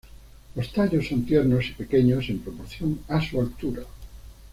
Los tallos son tiernos y pequeños en proporción a su altura.